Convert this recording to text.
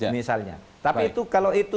misalnya tapi itu kalau itu